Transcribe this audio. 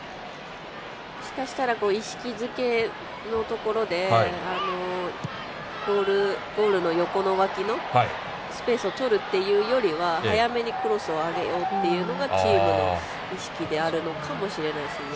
もしかしたら意識づけのところでゴールの横の脇のスペースをとるっていうよりは早めにクロスを上げようっていうのがチームの意識であるのかもしれないですね。